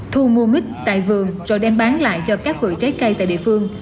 thu mua mít tại vườn rồi đem bán lại cho các vựa trái cây tại địa phương